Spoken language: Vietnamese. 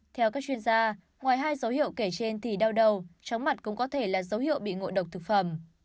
theo các chuyên gia ngoài hai dấu hiệu kể trên thì đau đầu chóng mặt cũng có thể là dấu hiệu bị ngộ độc thực phẩm